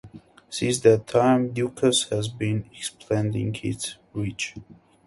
Since that time, Ducasse has been expanding his reach.